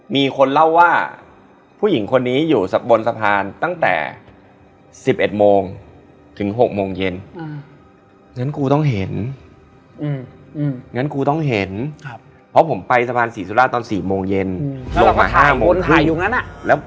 มันคือจะสื่ออะไรจะขอ